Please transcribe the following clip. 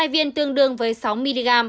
một mươi hai viên tương đương với sáu mg